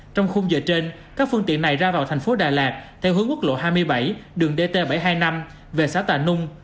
trong khung giờ trên các phương tiện này ra vào thành phố đà lạt theo hướng quốc lộ hai mươi bảy đường dt bảy trăm hai mươi năm về xã tà nung